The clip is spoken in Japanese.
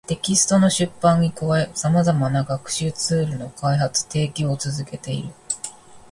テキストの出版に加え、様々な学習ツールの開発・提供を続けている